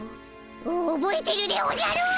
おぼえてるでおじゃる！